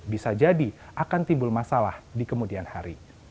bisa jadi akan timbul masalah di kemudian hari